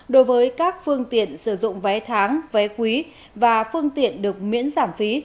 đối với các phương tiện sử dụng vé tháng vé quý và phương tiện được miễn giảm phí